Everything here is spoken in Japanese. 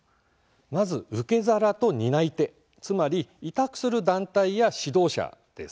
まず、受け皿と担い手つまり委託する団体や指導者です。